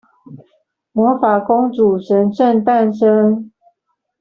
魔法公主神聖誕生